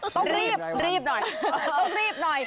ต้องรีบรีบหน่อยต้องรีบหน่อย